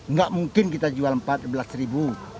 tidak mungkin kita jual empat belas ribu